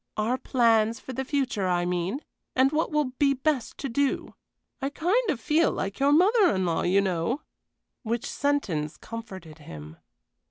Our plans for the future, I mean, and what will be best to do; I kind of feel like your mother in law, you know." Which sentence comforted him.